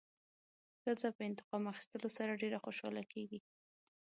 ښځه په انتقام اخیستلو سره ډېره خوشحاله کېږي.